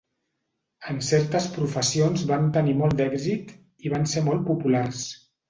En certes professions van tenir molt d'èxit i van ser molt populars.